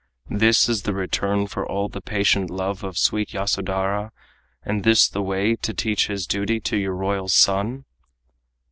This the return for all the patient love Of sweet Yasodhara, and this the way To teach his duty to your royal son?"